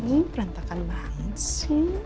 ini perantakan banget sih